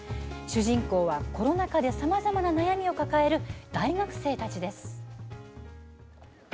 主人公はコロナ禍でさまざまな悩みを抱える大学生たちです。